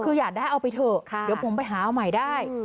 คืออยากได้เอาไปเถอะเดี๋ยวผมไปหาเอาใหม่ได้